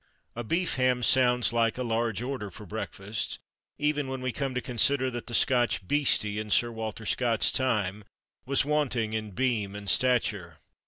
A beef ham sounds like a "large order" for breakfast, even when we come to consider that the Scotch "beastie," in Sir Walter Scott's time, was wanting in "beam" and stature.